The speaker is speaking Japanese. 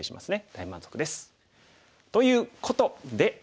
大満足です。ということで。